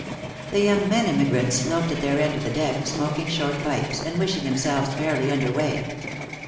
The young men emigrants loafed at their end of the deck, smoking short pipes, and wishing themselves fairly under weigh.